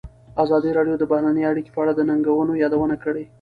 ازادي راډیو د بهرنۍ اړیکې په اړه د ننګونو یادونه کړې.